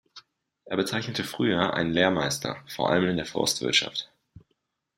Er bezeichnete früher einen Lehrmeister, vor allem in der Forstwirtschaft.